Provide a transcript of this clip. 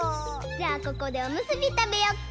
じゃあここでおむすびたべよっか？